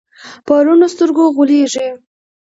په رڼو سترګو غولېږي.